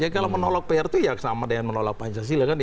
kalau menolak pr itu ya sama dengan menolak pancasila